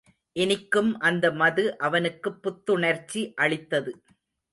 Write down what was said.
இனிக்கும் அந்த மது அவனுக்குப் புத்துணர்ச்சி அளித்தது.